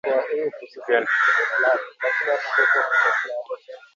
Uganda pia imewashauri raia wake wanaoishi na kufanya kazi nchini Kenya kuchukua tahadhari.